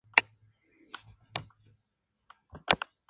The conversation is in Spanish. Valeria tuvo varios ancestros que recibieron este sobrenombre.